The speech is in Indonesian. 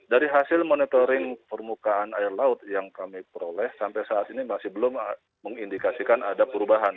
dari hasil monitoring permukaan air laut yang kami peroleh sampai saat ini masih belum mengindikasikan ada perubahan